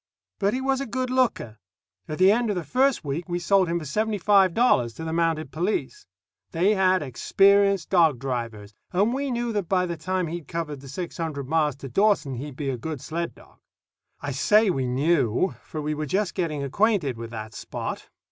But he was a good looker. At the end of the first week we sold him for seventy five dollars to the Mounted Police. They had experienced dog drivers, and we knew that by the time he'd covered the six hundred miles to Dawson he'd be a good sled dog. I say we knew, for we were just getting acquainted with that Spot.